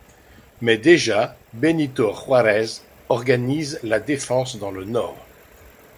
Mais déjà Benito Juárez organise la défense dans le Nord.